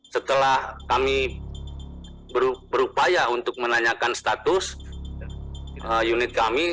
setelah kami berupaya untuk menanyakan status unit kami